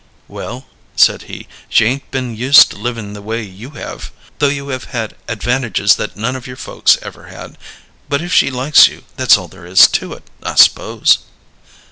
"Well," said he, "she 'ain't been used to living the way you have, though you have had advantages that none of your folks ever had; but if she likes you, that's all there is to it, I s'pose."